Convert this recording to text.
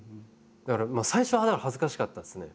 だから最初は恥ずかしかったですね。